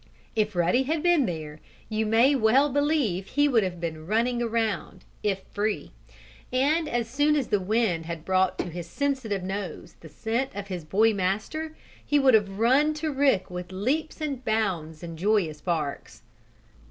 If Ruddy had been there you may well believe he would have been running around, if free. And as soon as the wind had brought to his sensitive nose the scent of his boy master he would have run to Rick with leaps and bounds and joyous barks.